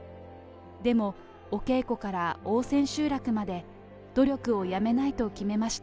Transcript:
でもお稽古から大千秋楽まで努力をやめないと決めました。